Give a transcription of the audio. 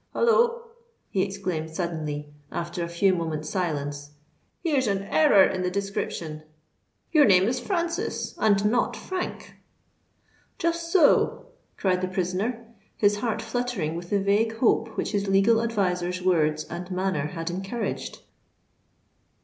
Holloa!" he exclaimed suddenly, after a few moments' silence: "here's an error in the description. Your name is Francis, and not Frank." "Just so!" cried the prisoner, his heart fluttering with the vague hope which his legal adviser's words and manner had encouraged.